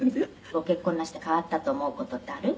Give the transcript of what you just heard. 「ご結婚なすって変わったと思う事ってある？」